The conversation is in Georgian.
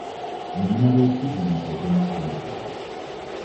მდინარეებში ბინადრობენ კალმახები.